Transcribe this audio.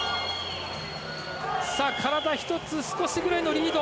体１つ、少しぐらいのリード。